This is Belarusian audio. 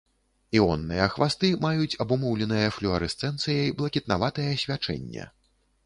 Іонныя хвасты маюць абумоўленае флуарэсцэнцыяй блакітнаватае свячэнне.